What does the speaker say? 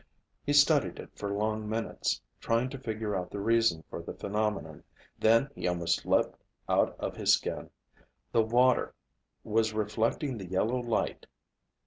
He studied it for long minutes, trying to figure out the reason for the phenomenon, then he almost leaped out of his skin. The water was reflecting the yellow light!